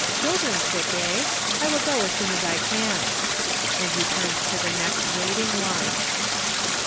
Children sick, eh ? I will go as soon as I can," and he turned to the next waiting one.